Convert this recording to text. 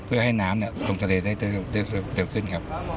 เพื่อให้น้ำลงทะเลได้เร็วขึ้นครับ